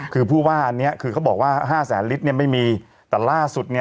คือผู้ว่าอันนี้คือเขาบอกว่า๕แสนลิตรไม่มีแต่ล่าสุด